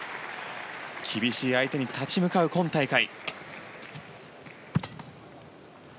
厳しい相手に立ち向かう今大会。